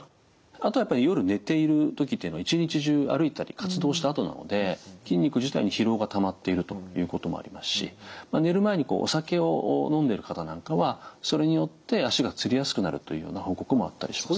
あとはやっぱり夜寝ている時っていうのは一日中歩いたり活動したあとなので筋肉自体に疲労がたまっているということもありますし寝る前にお酒を飲んでる方なんかはそれによって足がつりやすくなるというような報告もあったりします。